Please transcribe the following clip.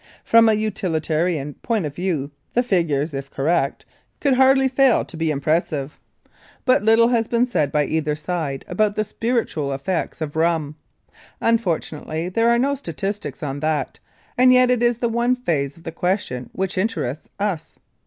From a utilitarian point of view the figures, if correct, could hardly fail to be impressive, but little has been said by either side about the spiritual aspects of rum. Unfortunately there are no statistics on that, and yet it is the one phase of the question which interests us.